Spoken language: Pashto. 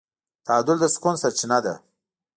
تعادل د سکون سرچینه ده.